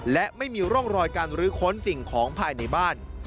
และไม่มีร่องรอยการรื้อค้นสิ่งของภายในบ้าน